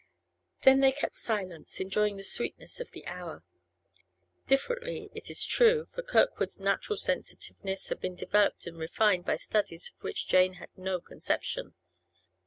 Then they kept silence, enjoying the sweetness of the hour. Differently, it is true; for Kirkwood's natural sensitiveness had been developed and refined by studies of which Jane had no conception.